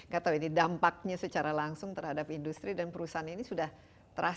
gak tahu ini dampaknya secara langsung terhadap industri dan perusahaan ini sudah terasa